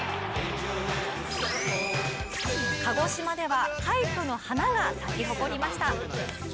鹿児島では快挙の花が咲き誇りました。